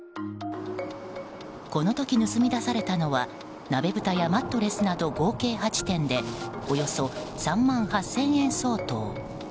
この時、盗み出されたのは鍋ぶたやマットレスなど合計８点でおよそ３万８０００円相当。